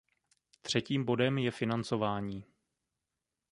Třetím bodem je financování.